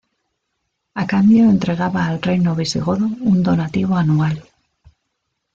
A cambio entregaba al reino visigodo un donativo anual.